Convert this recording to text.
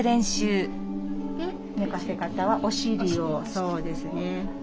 寝かせ方はお尻をそうですね。